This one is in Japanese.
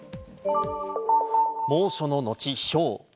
猛暑の後、ひょう。